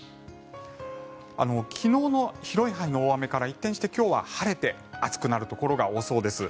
昨日の広い範囲の大雨から一転して今日は晴れて暑くなるところが多そうです。